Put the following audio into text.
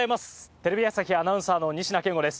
テレビ朝日アナウンサーの仁科健吾です。